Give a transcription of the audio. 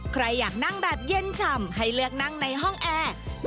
ใครอยากนั่งแบบเย็นฉ่ำให้เลือกนั่งในห้องแอร์